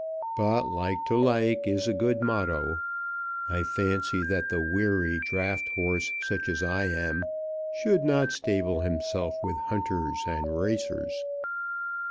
But like to like is a good motto. I fancy that the weary draught horse, such as I am, should not stable himself with hunters and racers."